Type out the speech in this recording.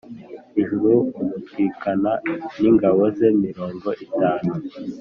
ijuru umutwikana n ingabo ze mirongo itanu